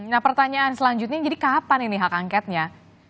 nah pertanyaan selanjutnya jadi kapan ini hak angketnya